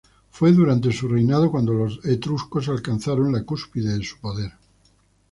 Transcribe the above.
Fue durante su reinado cuando los etruscos alcanzaron la cúspide de su poder.